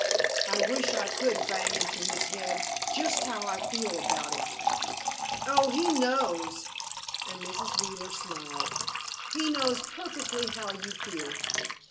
I wish I could bang into his head just how I feel about it——" "Oh, he knows!" and Mrs. Wheeler smiled. "He knows perfectly how you feel."